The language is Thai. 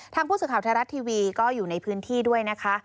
ผู้สื่อข่าวไทยรัฐทีวีก็อยู่ในพื้นที่ด้วยนะคะ